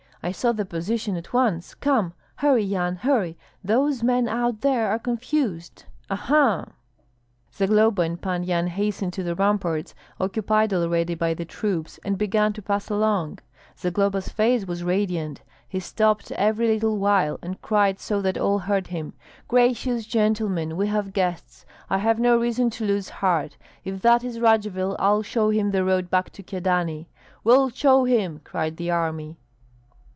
I saw the position at once. Come! hurry, Yan, hurry! Those men out there are confused. Aha!" Zagloba and Pan Yan hastened to the ramparts, occupied already by the troops, and began to pass along. Zagloba's face was radiant; he stopped every little while, and cried so that all heard him, "Gracious gentlemen, we have guests! I have no reason to lose heart! If that is Radzivill, I'll show him the road back to Kyedani!" "We'll show him!" cried the army.